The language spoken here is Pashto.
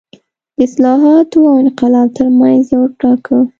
د اصلاحاتو او انقلاب ترمنځ یو وټاکه.